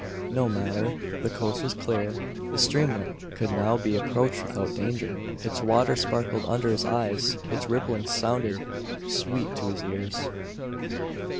No matter. The coast was clear. The streamlet could now be approached without danger. Its water sparkled under his eyes its rippling sounded sweet to his ears.